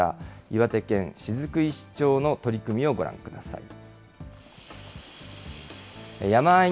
岩手県雫石町の取り組みをご覧ください。